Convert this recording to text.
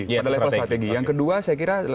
pada level strategi yang kedua saya kira